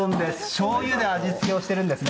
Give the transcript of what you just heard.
しょうゆで味付けをしているんですね。